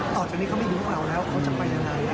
ต่อจากนี้เขาไม่รู้พวกเราแล้วเขาจะไปยังไง